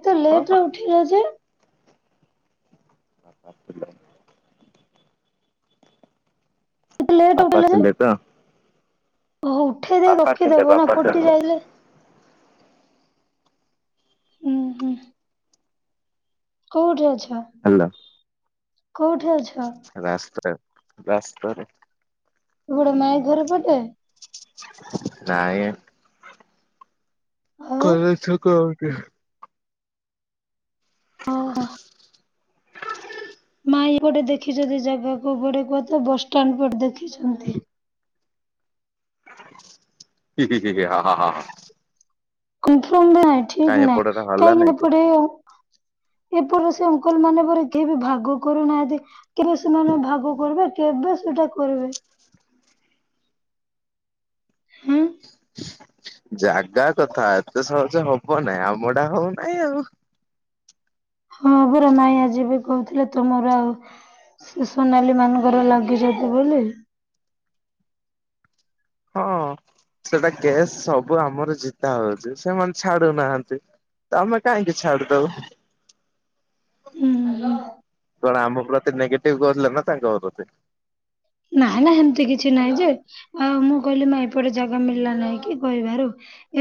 ଏତେ ହଁ ଲେଟ ରେ ଉଠେଇ ଲ ଯେ। [inaudible] ଲେଟ ବାପା ଉଠେଇ ଲ ଯେ ଥିଲେ ତ ଓ ହୋ ଉଠେଇ ଦେଇ ବାପା ଥିଲେ ରଖିଦବ ନା ବାପା ଥିଲେ। କଟି ଯାଇଲେ। ହୁଁ ହୁଁ। କୋଉଠି ଅଛ? ହାଲୋ। କୋଉଠି ଅଛ? ରାସ୍ତା ରାସ୍ତାରେ। [unintelligible] ମାଇଧର ପଟେ। ନାଇ। ଆଉ କଲେଜ ଛକ [unintelligible] ଓ ଓ। ମା ଏଇ ପଟେ ଦେଖିଛ ଯେ ଜାଗା କୁ କୁଆଡେ କୁହ ତ ବସଷ୍ଟାଣ୍ଡ ପଟେ ଦେଖିଛନ୍ତି। ହି ହି ହି ହି ହା ହା ହା ହା। କନଫର୍ମ ନାହିଁ ଠିକ୍ କାଇଁ ନାହିଁ ଏପଟରେ ହଲା କାହିଁକି ନାଇଁ କି? ଏପଟେ। ଏପଟେ ସେ ଅଙ୍କଲ ମାନେ ପରେ କେହି ବି ଭାଗ କରୁନାହାନ୍ତି କେବେ ସେମାନେ ଭାଗ କରିବେ। କେବେ ସେଟା କରିବେ। ହୁଁ। ଜାଗା କଥା ଏତେ ସହଜ ହବ ନାହିଁ ଆମ ଟା ହଉନାହିଁ ଆଉ। ହଁ ପରା ମାଇଁ ଆଜି ବି କହୁଥିଲେ ତୁମର ଆଉ। ସେ ସୋନାଲି ମାନଙ୍କର ଲାଗିଛନ୍ତି ବୋଲି। ହଁ ସେଟା କେସ୍ ସବୁ ଆମର ଜିତା ହଉଛି ସେମାନେ ଛାଡୁନାହାନ୍ତି। ତମେ କାହିଁକି ଛାଡିଦବୁ? [inaudible] ହୁଁ କଣ ଆମ ପ୍ରତି ନେଗେଟିଭ କରିଥିଲେ ନା ତାଙ୍କ ପ୍ରତି। ନାହିଁ ନା ସେମିତି କିଛି ନାହିଁ ଯେ। ଆଉ ମୁଁ କହିଲି ମା ଏପଟେ ଜାଗା ମିଳିଲା ନାଇଁ କି କହିବାରୁ।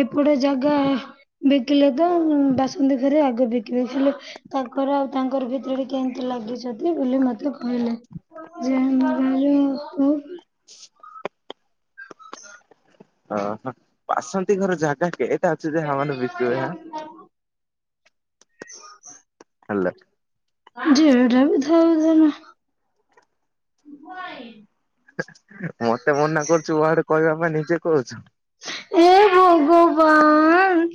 ଏପଟେ ଜାଗା ବିକିଲେ ତ ବାସନ୍ତୀ ଘରେ ଆଗ ବି ବିକିଦେଇ ଥିଲେ ତାଙ୍କର ଆଉ ତାଙ୍କର ଭିତରେ କେମିତି ଲାଗିଛନ୍ତି ବୋଲି ମତେ କହିଲେ ଯେ [unintelligible] [inaudible] ହ ଓହୋ ବାସନ୍ତି ଘର ଜାଗା କେଇଟା ଅଛି ଯେ ସେମାନେ ବିକିବେ। ହଁ ହେଲା। ଯେ ଏଟା ବିଧିର ବିଧାନ। ମତେ ମନା କରୁଛୁ ମୋ ଆଡେ କହିବା ପାଇଁ ନିଜେ କହୁଛୁ। ଏ ଭଗବାନ।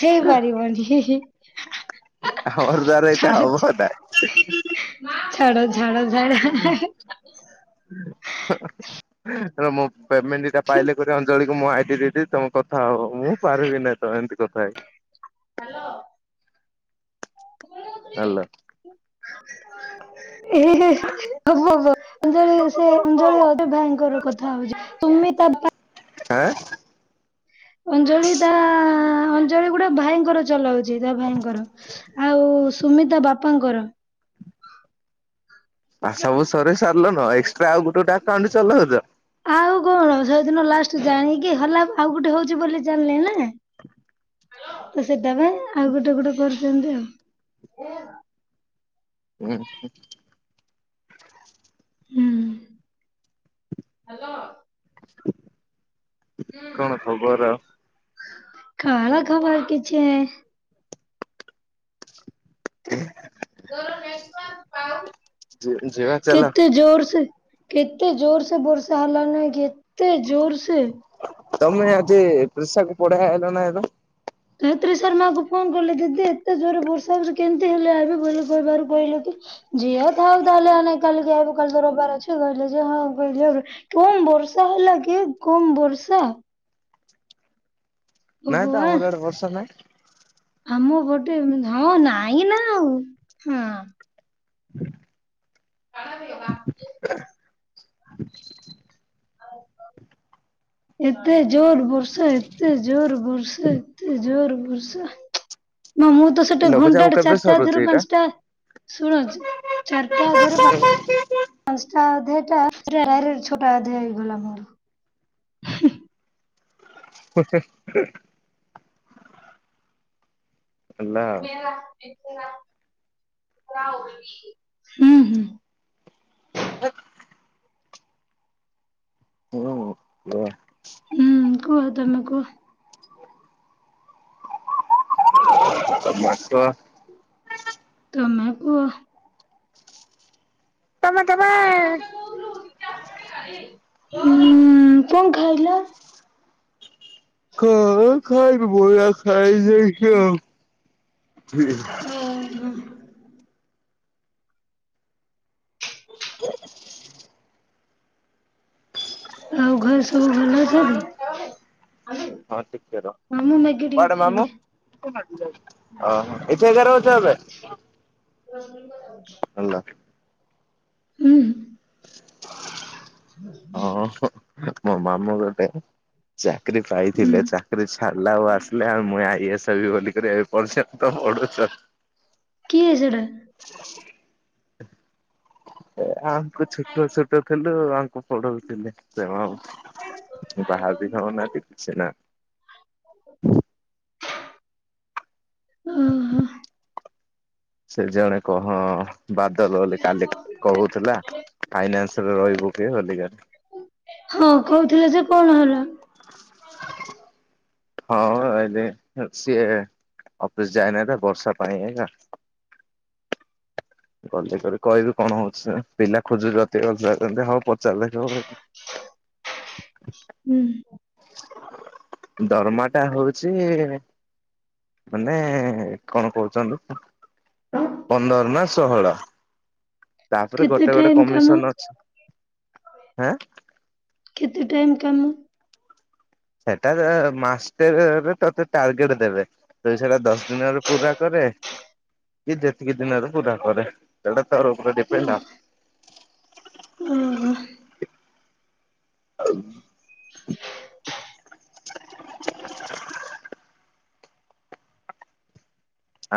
ହେଇପାରିବନି ହି ହି ହା ହା ହା। ଆ ହ ମୋ ଦ୍ୱାରା [unintelligible] ହବ ନା। ଛାଡ ଛାଡ ଛାଡ। [unintelligible] ମୁଁ ପେମେଣ୍ଟ ଦି ଟା ପାଇଲେ [unintelligible] ଅଞ୍ଜଳି। [unintelligible] ମୁଁ ଆଇ ଡି ଦେଇ ଦେବି ତମେ କଥା ହବ ମୁଁ ପାରିବି ନାଇଁ ତମେ ଏମିତି କଥା ହେଇ। ହାଲୋ। ହେଲା। ଏ ହେ ହେ। [inaudible] ଅଞ୍ଜଳି ସେ ଅଞ୍ଜଳି [unintelligible] ଭାଇଙ୍କର କଥା ହଉଛି ସୁମି ତା ଆଁ। ଅଞ୍ଜଳି ତା ଅଞ୍ଜଳି ଗୁଡା ଭାଇଙ୍କର ଚଲାଉ ଜେଦା ଭାଇଙ୍କର ଆଉ ସୁମି ତା ବାପାଙ୍କର ଆ ସବୁ ସରେଇ ସାରିଲ ନ ଏକ୍ସଟ୍ରା ଆଉ ଗୋଟେ ଗୋଟେ କାଉଣ୍ଟ ଚଲଉଚ। ଆଉ କଣ ଯୋଉ ଦିନ ଲାଷ୍ଟ ଜାଣିକି ହଲା ଆଉ ଗୋଟେ ହଉଚି ବୋଲି ଜାଣିଲେ ନା। ତ ସେଟା ପାଇଁ ଆଉ ଗୋଟେ ଗୋଟେ କରୁଛନ୍ତି ଆଉ। [unintelligible] ଉଁ ହୁଁ। ହୁଁ ହୁଁ ହାଲୋ। କଣ ଖବର ଆଉ। କଁ ହେଲା ଖବର କିଛି ନାହିଁ। [unintelligible] ତୋର ନେଟୱାର୍କ ଯି ଯିବା ପାଉ ଚାଲ କେତେ ଜୋର ସେ କେତେ ଜୋର ସେ ବର୍ଷା ହେଲାନି କେତେ ଜୋର ସେ। ତମେ ଆଜି କୃଷକ ପଢା ଆଇଲ ନାହିଁ ଏବେ। ଗାୟତ୍ରୀ ଶର୍ମାକୁ ଫୋନ କଲେ ଦିଦି ଏତେ ଜୋରେ ବର୍ଷା ହଉଚି କେମତି ହାଲିଆ ହେବେ ବୋଲି କହିବାରୁ କହିଲୁ କି ଝିଅ ଥାଉ ତାହେଲେ ଆମେ କାଲି ତ ଆଇବୁ କାଲି ତ ରବିବାର ଅଛି [unintelligible] କମ୍ ବର୍ଷା ହେଲା କି କମ୍ ବର୍ଷା ନାଇଁ ତ ଭଗବାନ ଆମର ଆଡେ ବର୍ଷା ନାଇଁ। ଆମ ପଟେ ହଁ ନାଇଁ ନା ଆଉ ହଁ। [unintelligible] ଏତେ ଜୋର ବର୍ଷା ଏତେ ଜୋର ବର୍ଷା ଏତେ ଜୋର ବର୍ଷା ନା ମୁଁ ତ ସେଠୁ ଲଘୁଚାପ ଘଣ୍ଟାଟେ କେବେ ସରୁଛି ଚାରିଟାରୁ ଏଇଟା ପାଂଶଟା ଶୁଣ ଚ ଚାରିଟା ଅଧେରୁ ପା ପାଂଶଟା ଅଧେଟା ଡାଇରେକ୍ଟ ଛଅଟା ଅଧେ ହେଇଗଲା ମୋର। ହେ ହେ [unintelligible] ହେଲା ତୁମେ [inaudible] ହୁଁ ହୁଁ। ଏ ହ୍ୟାଲୋ [unintelligible] ହୁଁ କୁହ ତମେ କୁହ। ତମେ କୁହ। ତମେ କୁହ। ତମେ ତେମ [unintelligible] ହୁଁ କଁ ଖାଇଲ? କଁ ଖାଇବି ବରା ଖାଇ ଦେଇଚି ଆଉ ହୁଁ। ଉଁ ହୁଁ। ଆଉ ଘରେ ସବୁ ଭଲ ଅଛତି? ହଁ ଟିକେ ର ମ୍ୟାଗି ଟିକେ କୁଆଡେ ମାମୁଁ ଖାଇବି [inaudible] ଓହୋ। ଏଇଠେ ଏକା ରହୁଛ ଏବେ। [inaudible] [unintelligible] ହୁଁ। ହଁ [unintelligible] ମୋ ମାମୁଁ ଗୋଟେ ଚାକିରି ହୁଁ ପାଇଥିଲେ ଚା କିରି ଛାଡିଲେ ଆଉ ଆସିଲେ ଆଉ ମୁଇଁ ଆଇ ଏସ୍ ହେବି ବୋଲିକରି ଏ ପର୍ଯ୍ୟନ୍ତ ପଢୁଛନ୍। କିଏ ସେଇଟା? ହ [unintelligible] ଏ ଆମଙ୍କୁ ଛୋଟ ଛୋଟ ଥିଲୁ ଅଳ୍ପ ପଡଉଥିଲେ ସେ ମାମ୍। ବାହା ବି ଦିନ ହଉନାହାନ୍ତି କିଛି ନାହାଁ। ଓହୋ ସେ ଜଣେ କ ହଁ ବାଦଲ ବୋଲି କାଲି କହୁଥିଲା ଫାଇନାନ୍ସରେ ରହିବୁ କି ବଢି ଗାର୍ଡ। ହଁ ହରଠିକ୍ ଅଛି କଣ ହେଲା। ହଁ ସିଏ ଅଫିସ ଯାଇନାହିଁ ତ ବର୍ଷା ପାଇଁ ଏକା। ବଜେଟରେ କହିଲୁ କଣ ହଉଛିସାର ପିଲା ଖୋଜୁଚନ୍ତି ରୋଜଗାର କରେନ୍ତେ ହଉ ପଚାରିଲେ ଯୋଉ ହୁଁ। ଦରମା ଟା ହଉଛି ମାନେ କଣ କହୁଛନ୍ତି ପନ୍ଦର ନା ଷୋହଳ। ତାପରେ କେତେ ଗୋଟେ ଗୋଟେ ଟାଇମ କାମ କମିଶନ ଅଛିଁ ହାଁ କେତେ ଟାଇମ୍ କାମ? ସେଟା ମାଷ୍ଟେ ରେ ତତେ ଟାର୍ଗେଟ ଦେବେ, ତୁଇ ସେଟା ଦଶ ଦିନ ର ପୁରା କରେ କି ଯେତିକି ଦିନ ରେ ପୁରା କରେ। ସେଟା ତ ଭପେ ଓ ଡିପେଣ୍ଡ ଆପ୍ ଓହୋ ଆଉ।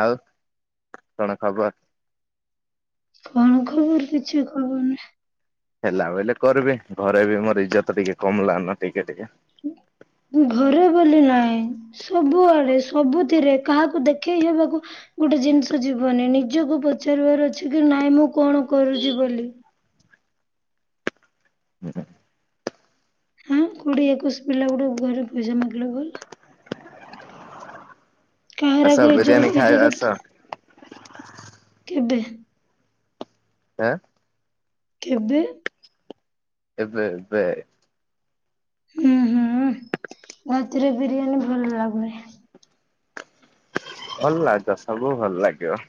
ଆଉ କଣ ଖବ? କଣ ଖବର କିଛି ଖବର ନାହିଁ। ହେଲା ବଲେ କରିବି ଘରେ ବି ମୋର ଇଜ୍ଜତ ଟିକେ କମଲା ନ ଟିକେ ଟିକେ ଘରେ ବୋଲି ନାଇଁ ସବୁଆଡେ ସବୁଥିରେ କାହାକୁ ଦେଖେଇ ହେବାକୁ ଗୋଟେ ଜିନିଷ ଯିବନି ନିଜକୁ ପଚାରିବାର ଅଛି କି ନାଇଁ ମୁଁ କଣ କରୁଚି ବୋଲି। [inaudible] ହଁ କୋଡିଏ ଏକୋଇଶ ପିଲା ଗୋଟେ ଘରେ ପଇସା ମାଗିଲେ ଭଲ? କାହାର ଆସ ଆଗରେ ବିରିୟାନୀ ଇଜର୍ ଖାଇବା ଆସ ଇଜତତ୍ କେବେ? ଏଁ। କେବେ? ଏବେ ଏବେ। ଉଁ ହୁଁ ରାତିରେ ବିରିୟାନୀ ଭଲ ଲାଗୁନି। ଭଲ ଲାଗିବ ସବୁ ଭଲ ଲାଗିବ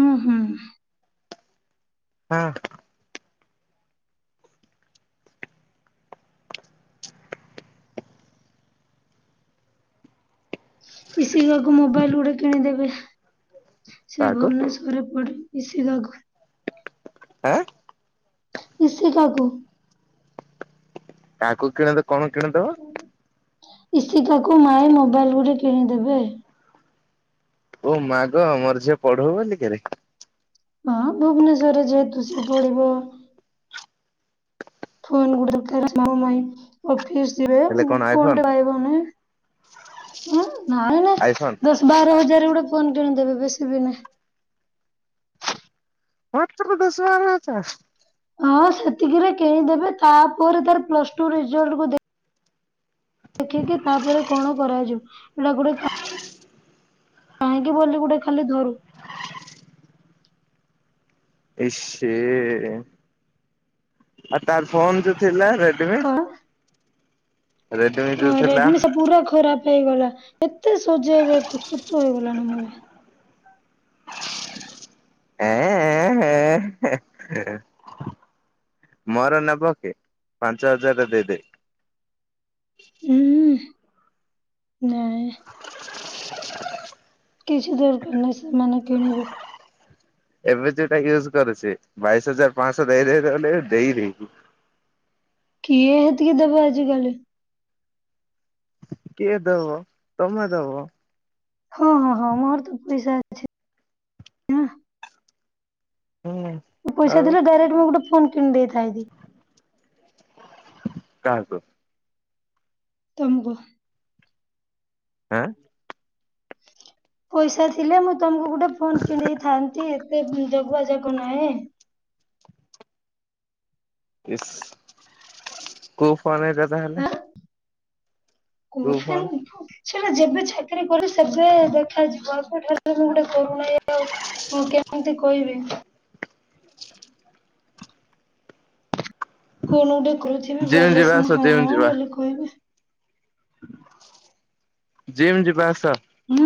ଉଁ ହୁଁ। ହଁ। ଇସିକାକୁ ମୋବାଇଲ ଗୋଟେ କିଣିଦେବେ? ସେ କାହାକୁ ଭୁବନେଶ୍ୱରରେ ପଢ଼େ ଇସିକାକୁ। ଆଁ। ରସିକାକୁ। କାହାକୁ କିଣ ତ କଣ କିଣଦବ? ଇସିକାକୁ ନୂଆ ମୋବାଇଲ ଗୋଟେ କିଣିଦେବେ। ଓ ମାଗ ଆମର ଝିଅ ପଢ଼ୁ ବୋଲିିକିରି। ହଁ ଭୁବନେଶ୍ଵରରେ ଯେହେତୁ ସିଏ ପଡିବ। ଫୋନ ଗୋଟେ ଦରକାର ମାମୁଁ ମାଇଁ। ଅଫିସ୍ ଯିବେ ହେଲେ ମୁଁ କଣ ଫୋନ୍ ଆଇଫୋନ ଟେ ରହିବନି ଉଁ ନାଇଁ ଆଇଫୋନ ବସ ବାର ହଜାର ଗୋଟେ ଫୋନ୍ କିଣିଦବେ ବେଶୀ ବି ନାଇଁ। ମାତ୍ର ଦଶ, ବାର ହଜାର। ହଁ ସେତିକିରେ କିଣିଦେବେ ତାପରେ ତାର ପ୍ଲସ୍ ଟୁ ରେଜଲ୍ଟ୍ କୁ ଦେଖ୍ ଦେଖିକି ତାପରେ କଣ କରାଯିବ ଏଇଟା ଗୋଟେ କ୍ୟା କାହିଁକି ବୋଲି ଗୋଟେ ଖାଲି ଧରୁ ଇ-ସି ଆଉ ତାର ଫୋନ୍ ଯଉ ଥିଲା? ରେଡ୍ମି। କଣ ହଁ ରେଡ୍ମି ସେ ପୁରା ଖରାପ୍ ହେଇଗଲା କେତେ ସଜେଇବେ ଖ- ଖତ ହେଇଗଲାଣି [unintelligible] ଏଁ- ଏଁ- ଏଁ- ହେଁ -ହେଁ। ମୋର ନବ କି ପାଞ୍ଚ ହଜାରରେ ଦେଇଦେବି? ଉଁ- ନାଇଁ। କିଛି ଦରକାର୍ ନାହିଁ ସେମାନେ କିଣିବେ। ଏବେ ଯଉଟା ୟୁଜ୍ କରୁଚି ବାଇଶ୍ ହଜାର ପାଁଆଶ [unintelligible] କିଏ ହେତିକି ଦେବେ ଆଜିକାଲି। କିଏ ଦବ ତମେ ଦବ। ହଁ -ହଁ- ହଁ ମୋର ତ ପଇସା ଅଛି। ନା। [unintelligible] ମୋର ପଇସା ଥିଲେ ଡାଇରେକ୍ଟ୍ ମୁଁ ଗୋଟେ ଫୋନ୍ କିଣି ଦେଇଥାନ୍ତି। କାହାକୁ? ତମକୁୁ। ଆଁ। ପଇସା ଥିଲେ ମୁଁ ତମୁକୁ ଗୋଟେ ଫୋନ୍ କିଣି ଦେଇଥାନ୍ତି ଏତେ ଜଗୁଆ ଯାକ ନାଇଁ। ଇସ୍ କଉ ଫୋନ୍ ଦେଇଥାନ୍ତ ତାହେଲେ? ଆଁ କୋଉ [unintelligible] ଫୋନ? ଚାକିରି କରେ ସେବେ ଦେଖାଯିବ [unintelligible] ମୋର ଗୋଟେ ଫୋନ ନାଇଁ ଆଉ ମୁଁ କେମିତି କହିବି କଣ [unintelligible] ଜିମ୍ ବୋଲି ଯିବା ସିନା ଆସ ହଁ ଜିମ୍ ଯିବା ବୋଲି କହିବି। ଜିମ୍ ଯିବା ଆସ। ମୁଁ।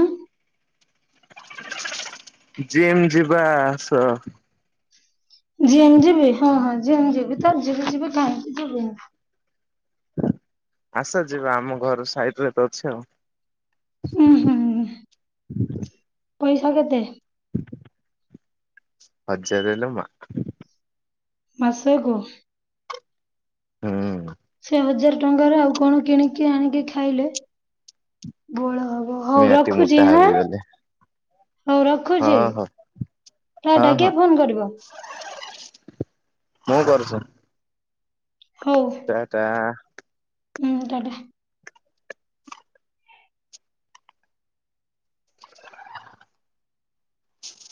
ଜିମ୍ ଯିବା ଆସ। ଜିମ୍ ଯିବି ହଁ -ହଁ ଜିମ୍ ଯିବି ତ ଜିମ୍ ଯିବି କାହିଁକି ଯିବିନି। ଆସ ଯିବା ଆମ ଘର ସାଇଟ୍ ରେ ତ ଅଛି ଆଉ। ଉଁ -ହୁଁ ପଇସା କେତେ? [inaudible] ହଜାରେ ଲ ମା ମାସେ କୁ? ହଁ। ସେ ହଜାର୍ ଟଙ୍କାରେ ଆଉ କଣ କିଣିକି ଆଣିକି ଖାଇଲେ ବଳ ହବ ହଉ ନିହାତି ରଖୁଚି ମୋଟା ହାଁ। ହେବି ଗଲେ ହଉ ରଖୁଚି ହଁ ହଁ ଟା ହଁ ଟା- କିଏ ହଁ ଫୋନ୍ କରିବ? ମୁଁ କରୁଚି। ହଉ ଟା। ହୁଁ ଟା ଟା।